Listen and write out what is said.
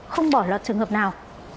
không bỏ lọt trường hợp nào